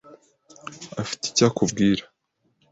afite icyo akubwira.